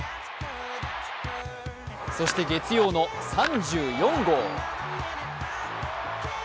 そして月曜の３４号。